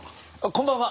こんばんは！